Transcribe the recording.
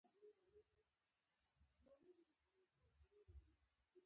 زه د موسیقۍ د وسایلو زدهکړه خوښوم.